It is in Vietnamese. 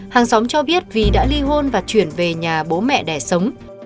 hàng xóm cho biết vì đã li hôn và chuyển về nhà bố mẹ để sống